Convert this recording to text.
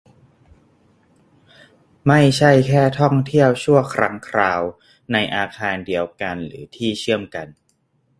ไม่ใช่แค่ท่องเที่ยวชั่วครั้งคราว ในอาคารเดียวกันหรือที่เชื่อมกัน